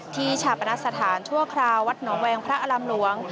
ที่ฉาปนัสสถานทั่วคราววัดหนอแวงพระอลัมรวง